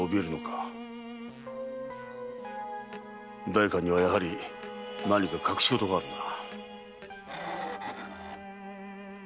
代官にはやはり何か隠しごとがあるな。